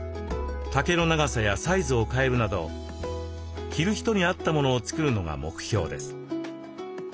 丈の長さやサイズを変えるなど着る人に合ったものを作るのが目標です。